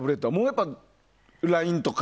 やっぱりＬＩＮＥとか？